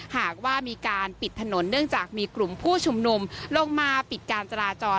หากว่ามีการปิดถนนเนื่องจากมีกลุ่มผู้ชุมนุมลงมาปิดการจราจร